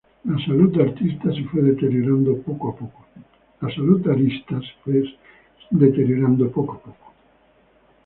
La salud de Arista se fue deteriorando poco a poco.